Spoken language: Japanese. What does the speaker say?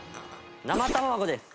生卵です。